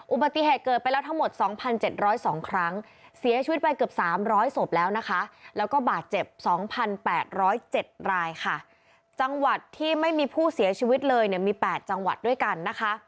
อุบัติเหตุเกิดไปแล้วทั้งหมด๒๗๐๒ครั้ง